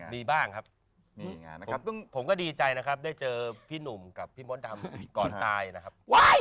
มีบ้างครับผมก็ดีใจนะครับได้เจอพี่หนุ่มกับพี่ม้อนดำก่อนตายนะครับ